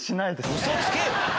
うそつけ！